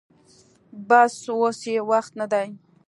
بس اوس يې وخت نه دې.